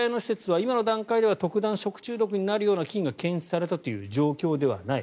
吉田屋の施設は今の段階では特段、食中毒になるような菌が検出されたという状況ではない。